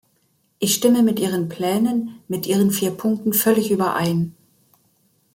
Ich stimme mit Ihren Plänen, mit Ihren vier Punkten, völlig überein.